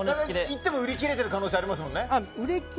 行っても売り切れてる可能性ありますもんね。